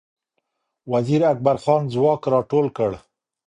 وزیر اکبرخان ځواک را ټول کړ